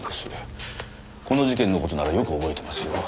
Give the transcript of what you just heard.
この事件の事ならよく覚えてますよ。